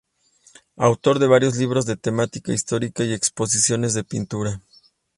Autor de varios libros de temática histórica y exposiciones de pintura.